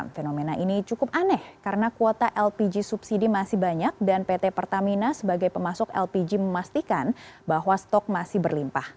fenomena ini cukup aneh karena kuota lpg subsidi masih banyak dan pt pertamina sebagai pemasok lpg memastikan bahwa stok masih berlimpah